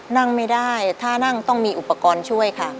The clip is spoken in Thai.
นั่งไม่ได้ถ้านั่งต้องมีอุปกรณ์ช่วยค่ะ